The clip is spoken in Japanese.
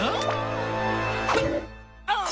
あっ。